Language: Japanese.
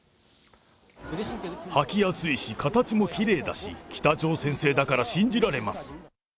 履きやすいし、形もきれいだし、北朝鮮製だから信じられます。